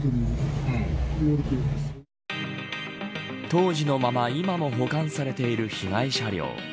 当時のまま今も保管されている被害車両。